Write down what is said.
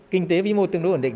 kinh tế vĩ mô tương đối ổn định